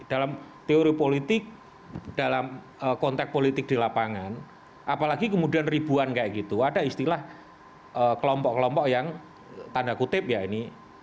dalam teori politik dalam konteks politik di lapangan apalagi kemudian ribuan kayak gitu ada istilah kelompok kelompok yang tanda kutip ya ini